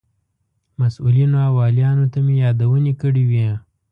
مسئولینو او والیانو ته مې یادونې کړې وې.